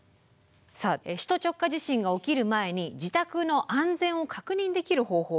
さあ首都直下地震が起きる前に自宅の安全を確認できる方法があります。